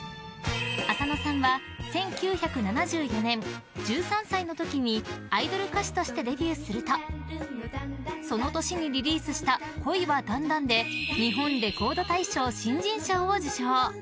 浅野さんは１９７４年、１３歳の時にアイドル歌手としてデビューするとその年にリリースした「恋はダン・ダン」で日本レコード大賞新人賞を受賞。